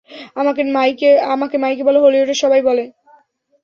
আমাকে মাইকে বলো, হলিউডের সবাই বলে।